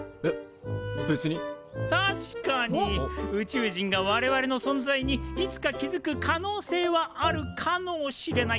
確かに宇宙人が我々の存在にいつか気付く可能性はあるかのうしれない。